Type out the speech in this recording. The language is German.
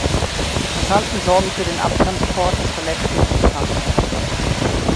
Die Passanten sorgen für den Abtransport des Verletzten ins Krankenhaus.